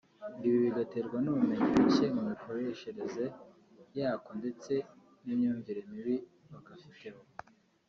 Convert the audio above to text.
ngo ibi bigaterwa n’ubumenyi buke mu mikoreshereze yako ndetse n’imyumvire mibi bagafiteho